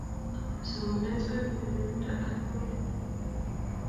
somanet koipu kerkeindo ak imanit